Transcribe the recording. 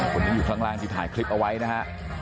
คนที่อยู่ข้างล่างที่ถ่ายคลิปเอาไว้นะฮะ